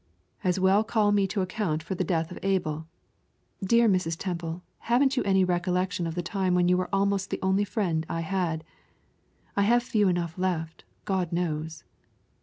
"As well call me to account for the death of Abel. Dear Mrs. Temple, haven't you any recollection of the time when you were almost the only friend I had? I have few enough left, God knows."